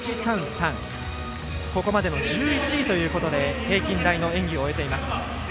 ここまでの１１位ということで平均台の演技を終えています。